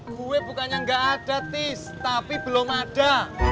kue bukannya nggak ada tis tapi belum ada